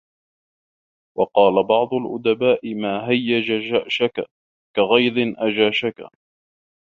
وَقَالَ بَعْضُ الْأُدَبَاءِ مَا هَيَّجَ جَأْشَك كَغَيْظٍ أَجَاشَكَ